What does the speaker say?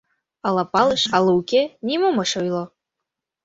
— Ала палыш, ала уке — нимом ыш ойло.